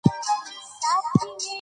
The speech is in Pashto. په افغانستان کې کلي ډېر اهمیت لري.